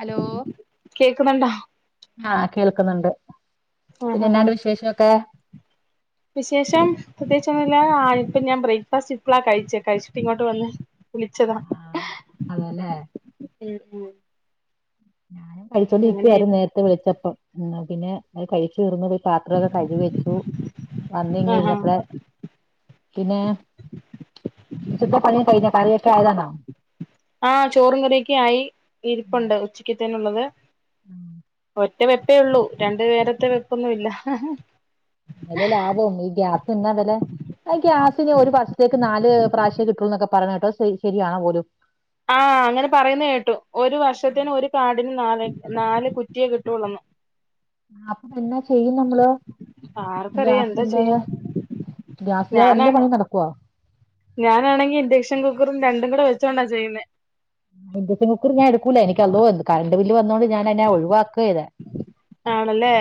Hello കേക്കുന്നുണ്ടോ ആ കേൾക്കുന്നുണ്ട് ആഹ് പിന്നെ ആഹ് എന്നാണ്ട് ആഹ് വിശേഷൊക്കെ വിശേഷം പ്രത്യേകിച്ച് ഒന്നുമില്ല ആ ഇപ്പ ഞാൻ പറയും ബ്രേക്ക്ഫാസ്റ്റ് ഇപ്പള കഴിച്ചേ കഴിച്ചിട്ട് ഇങ്ങോട്ട് വന്ന് വിളിച്ചതാ അതാല്ലേ ഉം ഉ ഞാനും കഴിച്ചോണ്ടിരിക്കുവയരുന്നു നേരത്തെ വിളിച്ചപ്പം പിന്നെത് കഴിച്ചുീർ ത്രക്കെ കഴുക വെച്ചു വന്ന ഇങ്ങ ആഹാ ആഹ് ഇരുന്നപ്പഴ പിന്നെ ചുറ്റ പണിയും കഴിഞ്ഞ കറിയൊക്കെ ആയതാണ്ടോ ആഹ ചോറും കരൊക്ക ആയി ഇരിപ്പുണ്ട് ഉച്ചക്ക്ത്തേനുള്ളത് ഉം [unintelligible] ഒറ്റ വെപ്പേ ഉള്ളൂ രണ്ട പേരത്തെ വെപ്പൊന്നുമ ഇല്ല നല്ല ലാഭവും ഈ ഗ്യാസ് ഇന്ന വില ആ ഗ്യാസ് ഒരു വർസത്തേക്ക് നാല് പ്രാവശ്യം കിട്ടൂ എന്നൊക്കെ പറഞ്ഞ കേട്ടോ ശ ശരിയാണോ പോലും ആഹ അങ്ങനെ പറയുന്ന കേട്ടു ഒരു വർഷത്തിനന് ഒരു കാടിനന് നാളെ നാല് കുറ്റിയെ കിട്ടള്ളന്ന്ു ആ അപ്പൊ എന്നാ ചെയ്യും നമ്മള് ആർക്കറിയാം ഗ്യാസ് എന്താ ചെയ്യാ ഇല്ലാതെ ഗ്യാസ് ഇില്ലാതെ വല്ല ഞാനാണ് പണി നടക്കവാ ഞാനാണെങ്കി ഇൻഡക്ഷൻ കുക്കറും രണ്ടും കൂടെ വെച്ചോൊണ്ടാ ചെയ്യേ ഇൻഡക്ഷൻ കുക്കർ ഞാൻ എടുക്കൂല എനി അതോ കറണ്ട് ബില് വന്നോണ്ട് ഞാന എന്നെ ഒഴിവാക്കുകയത ആണല്ലേ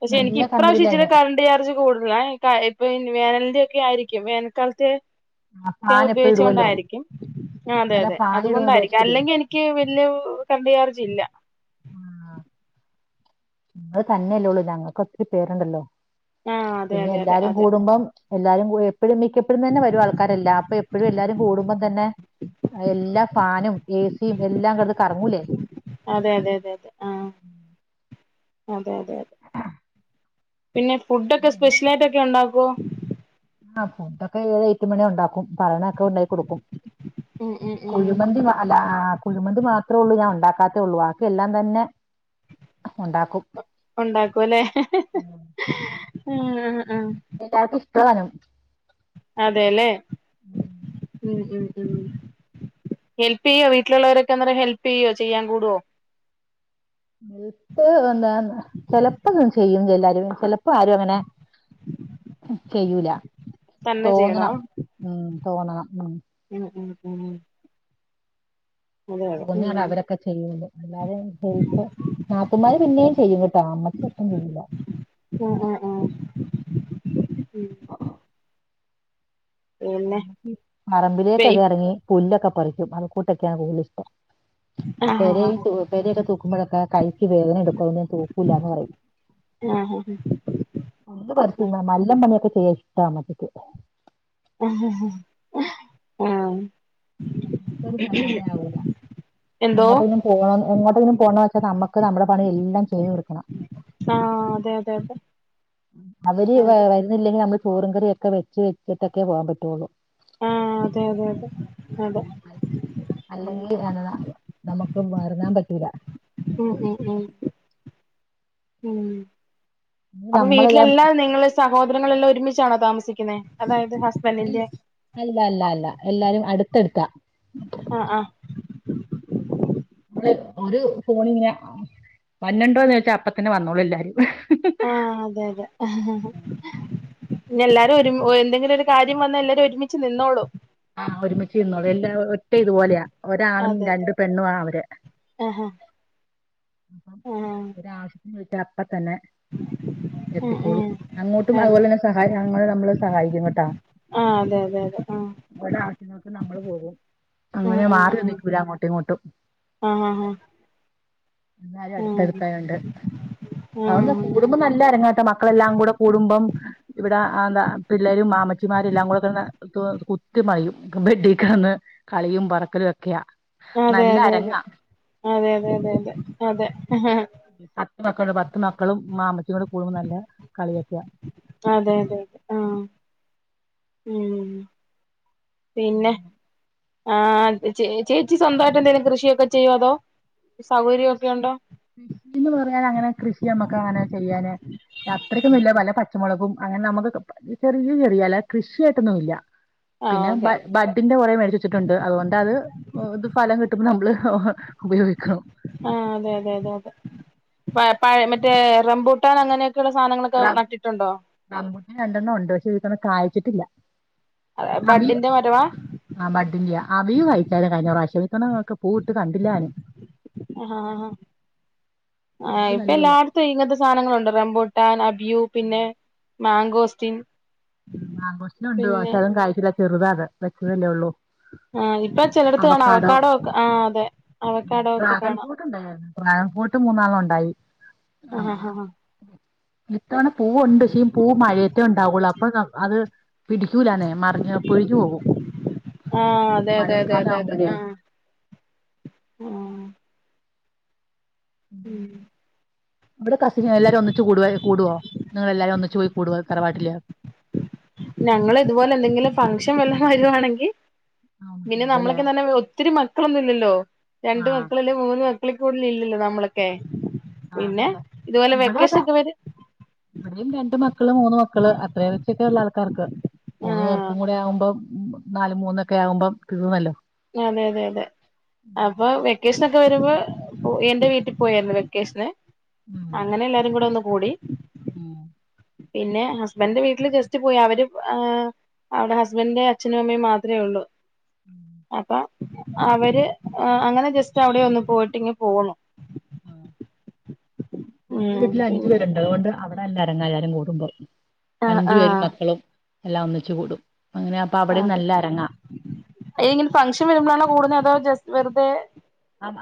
പക്ഷെ എനിക്ക് നല്ല ഇപ്രാവശ്യ ഇിച്ച കന്നുപില്ലായിന് കറണ്ട് ചാർജ് കൂടുല ഇപ്പൊ വേനലിന്റെ ക്ക ആായിരിക്കും വേനൽക്കാലത്തെ ആ ഫാൻ എപ്പഴും ഉപയോഗിച്ചുക ഇടുവല്ലോ കൊണ്ടായിരിക്കും അതെ അല്ല അതെ ഫാൻ ഇടുവല്ലോ അതുകൊണ്ടായിരിക്കും ഒത്തിരി അല്ലെങ്കിൽ എനിക്ക് വല്ിയ കണ്ട ാർജ ഇില്ല ആഹ നിങ്ങ തന്നെയല്ലേ ഉള്ളൂ ഞങ്ങൾക്ക് ഒത്തിരി പേരുണ്ടല്ലോ ആ അതെ പിന്നെ അതെ അതെ എല്ലാരും അതെ കൂടുമ്പം എല്ലാരും എപ്പോഴും മിക്ക എപ്പഴും തന്നെ വരും ആൾക്കാരല്ല അപ്പൊ എപ്പോഴും എല്ലാരും കൂടുമ്പോം തന്നെ എല്ലാ ഫാനും എഏ സിയും എല്ലാം കടുത് കറങ്ങൂലേ അതെ അതെ അതെ അതെ ആഹ അതെ അതെ അതെ പിന്നെ ഫുഡ്ൊക്കെ പിന്നെ എന്റെ വീ സ്പെഷ്യല ആയിട്ടൊക്കെ ഉണ്ടാക്കോ ആ ഫൂന്തൊക്കെ ഏഴ് എട്ടുമണി ഉണ്ടാക്കും പറണൊക്കെ ഉണ്ടായി കൊടുക്കും ഉം ഉം ഉം കുഴിമന്തി മാല കുഴിമന്ത് മാത്രേ ഉള്ളൂ ഞാൻ ഉണ്ടാക്കാത്തേ ഉള്ളൂ ആാക്ക എല്ലാം തന്നെ ഉണ്ടാക്കും ഉണ്ടാക്കുംല്ലേ ഉ എല്ലാവർക്കും ഇഷ്ടവനം അതെല്ലേ ഉം ഉ ഉ ഹെല്പ് ചെയ്യോ വീട്ടിലുള്ളവരൊക്കെ അന്നേ ഹെല്പ് ചെയ്യോ ചെയ്യാൻ കൂടുുവോ ഇപ്പ എന്താ ചിലപ്പോ ചെയ്യുന്നു എല്ലാരും ചിലപ്പോ ആരും അങ്ങനെ ചെയ്യൂല തന്നെ ചെയ്യണോ തോന്നണം ഉം തോന്നണം ഉ ഉം ഉം ഉം ഉ ന്നാണ് അവരൊക്കെ ചെയ്യുന്നത് അല്ലാതെ ഹ നാപ്പമാര് പിന്നെയും ചെയ്യും കേട്ടോ അമ്മയ്ക്ക് ില്ല ഉഹ ഉ ഉ ഉം പെയ് പറമ്പിലേക്കൊക്കെ ഇറങ്ങി പുല്ലൊക്കെ പറിക്കും അത്ക്കൂട്ടൊക്കെയാണ് കൂടുതൽിഷ്ടം ഉ പെര പെരയൊക്കെ തൂക്കുമ്പോഴൊക്കെ കൈക്ക് വേദന എടുക്കും തൂക്കൂല്ലന്ന് പറയും ആഹ ആഹ ഒന്ന് പറച്ചു മാ നല്ല മണിയൊക്കെ ചെയ്യ ഇഷ്ടാ മറ്റേക്ക് ആ ആഹ പസയവില്ല എന്തോ എങ്ങോട്ടെങ്കനും പോണ എങ്ങോട്ടെങ്കനും പോണ വെച്ചാ നമ്മുക്ക് നമ്മുടെ പണി എല്ലാം ചെയ്തു കൊടുക്കണം ആ അതെ അതെ അതെ അവര് അതെ വരുന്നില്ലെങ്കിൽ നമ്മള് ചോറും കറിയ ഒക്കെ വെച്ച വെച്ചിട്ടൊക്കെ പോകാൻ പറ്റുള്ളൂ ആഹ് അതെ അതെ അതെ അതെ അ അല്ലെങ്കിൽ നമുക്ക് മാരന്താ പറ്റീില്ല ഉം ഉം ഉം ഉം അപ്പൊ നമ്മളെല്ലാം വീട്ടിലെല്ലാം നിങ്ങള്ൾ സഹോദരങ്ങളെല്ലാം ഒരുമിച്ചാണോ താമസിക്കുന്നത് അതായത് അല്ല ഹസ്ബൻഡിന്റെ അല്ല അല്ല അല്ല എല്ലാരും അടുത്തെടുത്താ ആഹ ആഹ നമ്മള് ഒരു ഫോണിങ്ങനെ വന്നണ്ടോന്ന് ചോച്ചാ അപ്പത്തന്നെ വന്നോളൂ എല്ലാരും ആഹ് അതെ അതെ ഞ് എല്ലാരും ഒരുഎന്തെങ്കിലും ഒരു കാര്യം വന്നാൽ എല്ലാരും ഒരുമിച്ച് നിന്നോളും ആഹ് ഒരുമിച്ച് ഇരിന്നോലിം എല്ലാ ഒറ്റ ഇതുപോലെയാ ഒരാണും അതെ അതെ രണ്ടു പെണ്ണുവാ അവര് ആഹ് അപ്പം ആഹ് ആഹ് ഒരാവശ്യത്തിന് വീട്ട അപ്പ തന്നെ ഉം എത്തിക്കോളും ഉം അങ്ങോട്ടും അതെ അതുപോലെ തന്നെ സഹായിങ്ങ നമ്മള് സഹായിക്കും കേട്ടാ ആഹ് അതെ അതെ ആഹ് ഒലെആവശ്യങ്ങളക് നമ്മള് പോകും അങ്ങനെ ആഹ് മാറി ന്നിക്കൂല അങ്ങോട്ടും ഇങ്ങോട്ടും ആഹ ആഹ് എന്നാലും ആഹ് അടുത്തടുത്തായൊണ്ട് അതൊണ്ട് ആഹ് കൂടുമ്പോ നല്ല അരങ്ങാട്ടെ മക്കളെല്ലാം കൂടെ കൂടുമ്പം ഇവിടെ എന്താ പിള്ളേരും. മാം അമ്മച്ചിമാരെ എല്ലാം കൂടെ കേട്ന്ന് കുത്തി മറിയും വെ ബെഡി കന്ന് കളിയും പറക്കലും ഒക്കെയാ ആഹ് അതെ നല്ല അതെ അതെ അരങ്ങാ ആഹ് അതെ അതെ അതെ അതെ ആഹ് അതെ പത്ത് മക്കളുണ്ട് പത്ത് മക്കളും മാമ്മച്ചിയോട് കൂടുമ്പോ നല്ല കളിയോക്കയ അതെ അതെ അതെ ആഹ് ഉം പിന്നെ ഉം ആഹ് ചേച്ചി ചേച്ചി സ്വന്തായിട്ട് എന്തെങ്കിലും കൃഷിയൊക്കെ ചെയ്യോ അതോ സൗകര്യമൊക്കെ കൃഷി ഉണ്ടോ കൃഷിന്ന് പറയാൻ അങ്ങനെ കൃഷി നമ്മക്ക് ആരാ ചെയ്യാന് അത്രയ്ക്കൊന്നുല്ല പല പച്ചമുളകും അങ്ങനെ നമുക്ക് ചെറിയ ചെറിയല്ലതെ കൃഷിയായിട്ടൊന്നുല്ല ആഹ് പിന്നെ ബ ഓക്കെ ബഡിന്റെ കുറെ മേടിച്ച വെച്ചിട്ടുണ്ട് അതുകൊണ്ട അത് ത് ഫലം കിട്ടുമ്പോ നമ്മള് ഉപയോഗികവും ആഹ് അതെ അതെ അതെ അതെ പ പഴ മറ്റേ റംപൂട്ടാൻ അങ്ങനെ ക്കിയുള്ള സാനങ്ങളൊക്കെ നട്ടിട്ടുണ്ടോ ത്ര കായ്ച്ചിട്ടില്ല അബിയു ബഡിന്റെ മരവാ ആഹ് ബഡിന്റെയാ അബിയു കായിക്കല് കഴിഞ്ഞ പ്രാആവശ്യം തണങ്ങക്ക് പൂവിട്ട് കണ്ടില്ലാന് ആഹ് അവി ഇപ്പൊ നല്ലതല്ല എല്ലാടത്തും ഇങ്ങനത്തെ സാനങ്ങളുണ്ട് റംബോട്ടാൻ അബ് വ്യൂ പിന്നെ മാങ്കോസ്റ്റിൻ ഉമ് മാഗോസ്റ്റിനുണ്ട് പിന്നെ പക്ഷെ അതോന്നും കായ്ച്ചില്ല ചെറുതാത് വെച്ചതല്ലേ ഉള്ളൂ ആഹ് ഇപ്പൊ ചിലടത്ത് കാണാ അവക്കാടോ ഒക്കെ ആഹ് അതെ അവക്കാടോ ഒക്കെ കാണാം മേപോട്ട് മൂന്നാളം ഉണ്ടായി ആ, ആഹ് ഹഹ ഹ ഇത്തവണ പൂവുണ്ട് പക്ഷെ പൂവ് മഴയത്തേ ഉണ്ടാവുള്ളൂ അപ്പൊ അത് പിടിക്കൂലന്നെ മറി പിഴിഞ്ഞു പോകും ആഹ് അതെ അതെ അതെ മഴക്കാലം അതെ അതെ ആവുമ്പോഴേ ആഹ ആ ഇവിടെ കസിന് എല്ലാരും ഒന്നിച്ച് കൂടൊവൊ കൂടൊ ആ എല്ലാവരും ഒന്നിച്ച് പോയി കൂടും തറവാട്ടിലേ ഞങ്ങള് ഇതുപോലെ എന്തെങ്കിലും ഫംഗ്ഷൻ വല്ലതും വരുവാണെങ്കി. ആ ഒന്നിച്ച് പിന്നെ കൂടും അല്ലേ നമ്മളൊക്കെന്നെ ഒത്തിരി മക്കളൊന്നും ഇല്ലല്ലോ ആ രണ്ട് മക്കള് അല്ലേ മൂന്ന് മ കൂടുതൽ ഇല്ലല്ലോ നമ്മളൊക്കെ ആ, അതെ പിന്നെ അതെ ഇതുപോലെ ഇവിടെ അതെ വെക്കഷാനൊക്കെ വര്- ഇവിടെയും രണ്ട് മക്കള് മൂന്ന് മക്കള് അത്രയ വെ- ഒക്കെയുള്ള ആൾക്കാർക്ക് മൂന്ന് ആഹ് പേർക്കും കൂടെ ആവുമ്പം നാല് മൂന്നൊക്കെ ആകുമ്പോം തീർന്നല്ലോ അതെ അതെ അതെ അപ്പൊ വെക്കേഷൻ ഒക്കെ ക്കെ വരുമ്പോ എന്റെ വീട്ടിൽ പോയിരുന്നു വെക്കേഷന് ഉം അങ്ങനെ എല്ലാരും കൂടെ ഒന്ന് കൂടി ഉം പിന്നെ ഹസ്ബൻഡിന്റെ വീട്ടില് ജസ്റ്റ് പോയി അവര് ആഹ് അവിടെ ഹസ്ബൻഡിന്റെ അച്ഛനും അമ്മയും മാത്രമേ ഉള്ളൂ [unintelligible] അപ്പ അവര് അങ്ങനെ ജസ്റ്റ് അവിടെ ഒന്ന് പോയിട്ടിങ്ങ് പോന്നു എന്റെ ഉം വീട്ടില് അഞ്ചു പിന്നെ പേരുണ്ട് അതുകൊണ്ട് അവിടെ...... [unintelligible] കൂടുമ്പോൾ ആഹ് അഞ്ചു പേരും ആഹ് മക്കളും എല്ലാം ഒന്നിച്ചച്ച് കൂടും..... അങ്ങനെ അപ്പൊ അ അവിടെയും നല്ല അരങ്ങാ ഫഷൻ വരുമ്പോഴാണോ കൂടത അതോ വെറുതെ......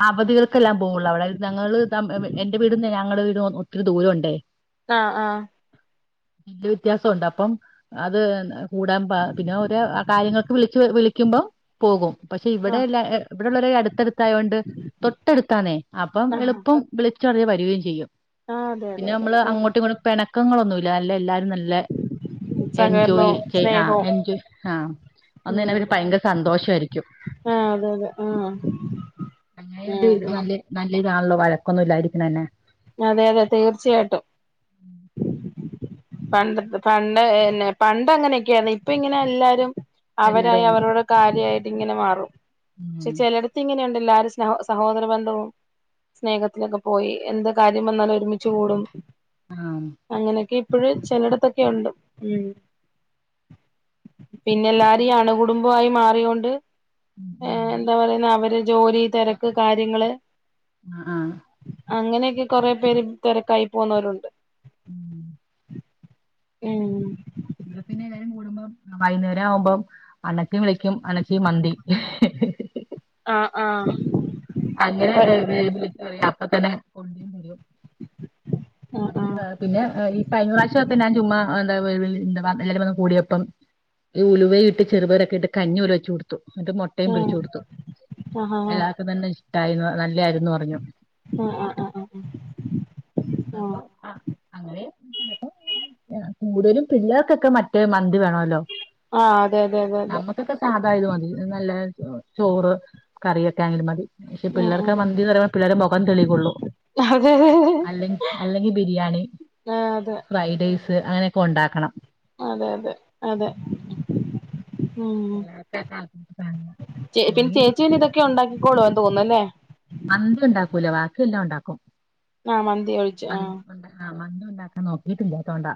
അവധികൾക്കെല്ലാം പോവുള്ളൂ അവിടെ ഞങ്ങള്ൾ എന്റെ വീടന്ന് ഞങ്ങളുടെ വീട് ഒത്തിരി ദൂരമുണ്ടേ....... ആഹ ആ...... വ വ്യത്യാസംണ്ട് അപ്പം അത് കൂടാൻ പിന്നെ ഓ കാര്യങ്ങൾക്ക് വിളിച്ച് വിളിക്കുമ്പോ....... പോകും..... പക്ഷെ ഇവിടെ ആഹ് ഇവിടെള്ളവരെ അടുത്തടുത്തായത്ണ്ട് തൊട്ടടുത്താന്നേ അപ്പം ആഹ് എളുപ്പം..... [unintelligible] ചെയ്യും ആഹ് അതെ അതെ പിന്നെ അതെ നമ്മള് ആഹ് അങ്ങോട്ഇങ്ങോട്ട് പിണക്കങ്ങളൊന്നും ഇല്ല എല്ലാരരും നല്ല..... ല്ല എൻജോയ് സഹകരണവും ആ സ്നേഹവും എൻജോയ് ആ...... അന്ന് തന്നെ അവര് ഉം ഭയങ്കര സന്തോഷ ആയിരിക്കും........ ആഹ് അതെ അതെ ആഹ് ഉം [unintelligible] ഉം നല്ല നല്ല ഇതാണല്ലോ വഴക്കൊന്നും ഇല്ലായിരിക്കണന്നെ...... അതെ അതെ തീർച്ചയായിട്ടും....... പണ്ട പണ്ട് പിന്നെ പണ്ട അങ്ങനെയൊക്കെയാണ് ഇപ്പ ഇങ്ങനെ എല്ലാരു...... അവരായി എല്ലാരും അവരോടെ കാര്യായിട്ട് ഇങ്ങനെ മാറും പക്ഷെ ഉം ചിലടത്ത് ഇങ്ങ...... എല്ലാരും സഹോദര ബന്ധവും...... സ്നേഹത്തിലൊക്കെ പോയി എന്ത് കാര്യം വന്നാലും ഒരുമിച്ചച്ച് കൂടും ആ അങ്ങനൊ...... ഇപ്പോഴ് ചിലടത്തൊക്കെ ഉണ്ട് ഉ....... പിന്നെല്ലാരുംഈ അണുകുടുംബമായി മാറൊണ്ട്....... ഉം. എന്താ പറയുന്ന അവര് ജോലി തിരക്ക് കാര്യങ്ങള്....... ആ....... അങ്ങനെയൊക്കെ കൊറെ പേര് തിരക്കായി പോുന്നവരുണ്ട്...... ഉം ഉം........ ഇ പിന്നെ എഏല്ലരും കൂടുമ്പോം വൈകുന്നേരം ആകുമ്പം അണച്ചി വിളിക്കും അണച്ചി മന്തി........ ആഹ് ആ...... അങ്ങനെ....... [unintelligible] [unintelligible] ആഹ് എന്താ ആഹ് വ കൂടിയപ്പം ഈ ഉലുവയി ഇട്ട് ചെറുപരൊക്കെ ഇട്ട് കഞ്ഞി..... [unintelligible] മട്ട് മുട്ടയും പിരിച്ച്കൊടുത്തു ആഹ് ആഹ് ആഹ് ആഹ് എല്ലാർക്കും തന്നെ ഇഷ്ടമായി ന്നുപറഞ്ഞ്..... ല്ലായിരുന്നു പറഞ്ഞു...... ആഹ് ആഹ് ആഹ് ആഹ് കൂടുതലും പിള്ളേർക്കൊക്കെ മറ്റേ....... വേണല്ലോ അതെ അതെ അതെ അതെ നമ്മുക്കൊക്കെ സാധായത് മതി നല്ല...... ചോറ് കറിയൊക്കെ ആങ്കിലും മതി...... പക്ഷെ ഉം ഉം പിള്ളേർക്ക് അതെ [unintelligible] അതെ അല്ലെ അല്ലെങ്കിൽ ബിരിയാണി അതെ ഫ്രൈഡ് റൈസ് അങ്ങനെയൊക്കെ ഉണ്ടാക്കണം...... അതെ അതെ അതെ...... ഉ പിള്ളേർക്കാ താല്പര്യപ്പെട്ട സാധനങ്ങൾ പിന്നെ അല്ലെങ്കിൽ ചേച്ചീന് ഇതൊക്കെ ഉണ്ടാക്കിക്കോളു..... തോന്നന്ന..... മന്തി ഉണ്ടാക്കൂല ബാക്കി എല്ലാം ഉണ്ടാക്കും..... ആ മന്തി ഒളിച്ചേ ആ..... മന്ം ഉണ്ടാക്കൻ നോക്കിയിട്ട ഇില്ലാത്തോണ്ടാ......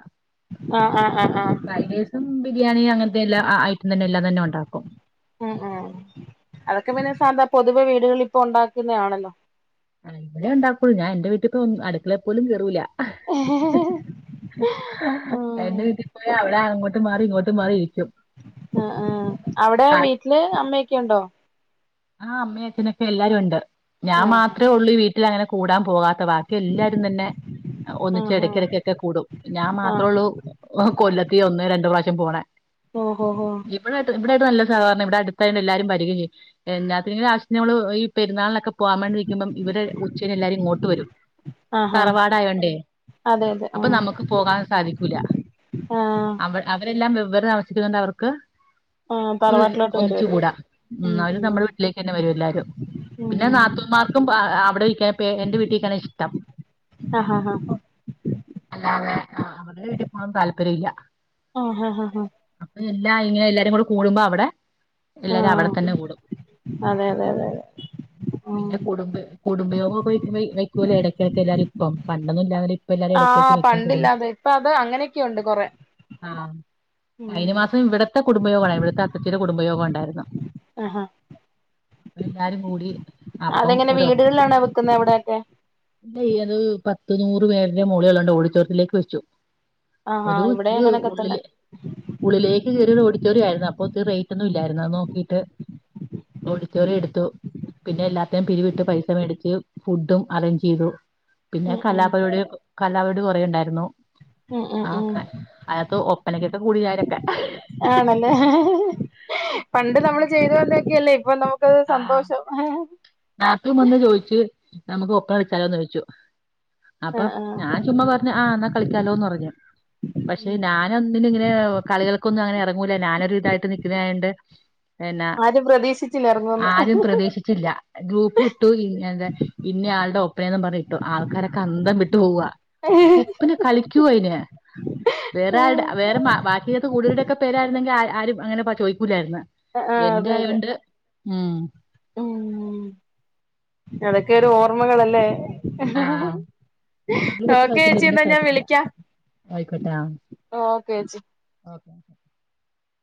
ആഹ ആഹ് ആഹ് ആഹ......... ബിരിയാണി അങ്ങനത്തെ എല്ലാം ഐറ്റം തന്നെ എല്ലാം തന്നെ ഉണ്ടാക്കും........... ന്ത പൊതുവെ വീടുകളൾ ഇപ്പൊ ഉണ്ടാക്കുന്നത ആണല്ലോ.......... ഇവിടെേ ഉണ്ടാക്കോുള്ളൂഞാൻന്റെ വീട്ടിപ്പ ഒ അടുക്കളെ പോലും ക കേറൂല്ല ഹി ഹി....... എന്റെ വീട്ടിൽ പോയാ അവിടെ അങ്ങോട്ട് മാറി ഇങ്ങോട്ട് മാറി ഇരിക്കും ആ ഉം അവിടെ വീട്ടില് അമ്മയൊക്കെുണ്ടോ..... ആ അമ്മയും അച്ഛനൊക്കെ എല്ലാരുണ്ട് ഞാൻ ആഹ് മാത്രമേ ഒള്ളൂ ഈ വീട്ടിലങ്ങനെ കൂടാൻ പോകാത്ത ക്ക ബാക്ക്യല്ലാരും തന്നെ ആഹ് ഒന്നിച്ചെടയ്ക്കെടക്കെക്കെ കൂടും ഞാൻ ആഹ് മാത്രൊള്ളൂ കൊല്ലത്തിലൊന്ന് രണ്ട് പ്രാവ്ശ്യം പോണേ ഓഹോ ഹോ ഇവടായ്ട്ട് ഇവ്ടായ്ട്ട് നല്ല സഹകര്ണിം ഇവ്ടെ അടുത്തായോണ്ട് എല്ലാരും വരികയും ചെയ്യും എല്ലാത്തിനും ലാസ്റ്റ് നമ്മൾ ഈ പെരുന്നാള്നൊക്കെ പോകാൻ വേണ്ടി നിക്കുമ്പം ഇവെര് ഉച്ചന് എല്ലാരും ഇങ്ങോട്ട് വെരും ആഹാ തറവാടായോണ്ടേ അതെ അതെ അപ്പം ആഹ് നമക്ക് പോകാൻ സാധിക്കൂല ആഹ് അവ അവരെല്ലാം വെ [unintelligible] താമസിക്കുന്നോണ്ടവർക്ക് ആഹ് തറവാട്ടിലോട്ട് വരുവത് ഒന്നിച്ചുകൂടാ മ്മ് ഉം അവര് ഉം നമ്മടെ വീട്ടിലേക്കെന്നെ വരും എല്ലാരും പിന്നെ ഉം നാത്തൂന്മാർക്കും ഭാ അവിടെനിക്കാ പേ എന്റെ വീട്ടീ നിക്കാനാ ഇഷ്ടം അഹഹാ അല്ലാതെ അവര്ടെ വീട്ടീപ്പോകാൻം താല്പര്യല്ല ആഹആാ ഹാ എല്ലാ ഇങ്ങനെ എല്ലാരും കൂടെ കൂടുമ്പോ അവടെ എല്ലാരും അവടെത്തന്നെ കൂടും അതെഅതെ അതെ അതെ ഉം പിന്നെ കുടുംബ കുടുംബയോഗ ഒക്ക വക്കൂല ഇടയ്ക്കിടക്ക് എല്ലാരും ഇപ്പം പണ്ടൊന്നും ഇല്ലോൽ ഇപ്പെല്ലാരും ഇടക്കെക്കെ ആഹ് നിക്കും കുടും പണ്ടില്ലാതെ ഇപ്പൊ അത് അങ്ങനെയൊക്കെയുണ്ട് കൊറെ ആഹാ കഴ്ഞ്ഞ ഉം മാസം ഇവ്ടത്തെ കുടുംബയോഗണ്ടായ്നു ഇവിടുത്തെ അത്തച്ചന്കുടുംബയോഗം ഉണ്ടായിരുന്നു അഹാ അപ്പൊ എല്ലാരും കൂടി അപ്പം അതെങ്ങനെ ഒരു വീടുകളിലാണോ വെക്കുന്നത് അവിടെയൊക്കെ ഇല്ലാ ൾത് പത്ത് നൂറ് പേരുടെ മോളികളുണ്ട് ഓടിച്ചോർത്തിലേക്ക് വെച്ചു ആഹാ ഒരു ഇവിടെ ഇച്ചിരി അങ്ങനൊക്കെ ഉഴ്വ തന്നെ ഉള്ളിലേക്ക് കയറി ഓടി ടിറ്റോറിയായിര്ന്നു അപ്പൊ ഒത്തിരി റേറ്റൊന്നും ഇല്ലായ്ര്ന്നു അത് നോക്കീട്ട് ഓടിറ്റോറിയെട്ത്തു പിന്നെ എല്ലാത്തിനും പിരിവിട്ട് പൈസ മേടിച്ച് ഫുഡും അറേഞ്ചെയ്തു പിന്നെ ഉം ഉം കലാപെരാടി കലാപരാടി കൊറെ ണ്ടായ്ര്ന്നു മ്മ് മ് മ് അയ്നക്ത്ത് ഒപ്പനക്കൊക്കെ കൂടി ഞാനൊക്കെ ആണല്ലേ പണ്ട് നമ്മള് ചെയ്തു കണ്ടൊക്കെയല്ലേ ഇപ്പൊ നമുക്ക് സന്തോഷം നാത്തൂൻ വന്ന് ചോയ്ച്ച് നമുക്ക് ഒപ്പന കഴിച്ചാലോന്ന് ചോയ്ച്ചു അപ്പോ ആഹ് ആഹ് ഞാൻ ചുമ്മാ പറഞ്ഞ് ആ ന്നാ കളിക്കാലോന്ന് പറ്ഞ്ഞു പക്ഷെ ഞാനൊന്നിനും ങ്ങനെ കളികൾക്കൊന്നും അങ്ങനെ എറ്ങ്ങൂ ല ഞാനൊരുതായ്ട്ട് നിക്ക്ണായോണ്ട് എന്നാ ആരും പ്രതീക്ഷിച്ചില്ല ഇറങ്ങുന്ന് ആരും പ്രതീശിച്ചില്ല ഗ്രൂപ്പിലിട്ടു ഇങ്ങനെ ഇന്നയാളുടെ ഒപ്പനേം ന്ന് പറ്ഞ്ഞ് ട്ടു ആൾക്കാരൊക്കെ അന്തം വിട്ടുപോവാ ഒപ്പന കളിക്കോ അയ്ന് വേറാള്ടെ ആഹ് വേറെ ബാക്ക്യയ്നകത്ത് കൂട്യോര്ടൊക്കെ പേരായര്ന്നെങ്കിൽ ആരും ആരും അങ്ങനെ ചോയ്ക്കൂലാര്ന്ന് അആ അതെയതെ മ്മ് ഓം അതൊക്കൊരു ഓർമ്മകളല്ലേ ആ നമ്മള് നോക്കേച്ചീ ന്നാ ഞാൻ വിളിക്കാം ആയ്ക്കോട്ടാ ഓക്കേച്ചി ഓക്കെ